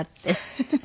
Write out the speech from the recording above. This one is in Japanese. フフフフ。